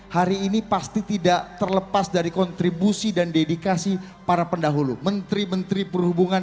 hari ini pasti tidak terlepas dari kontribusi dan dedikasi para pendahulu menteri menteri perhubungan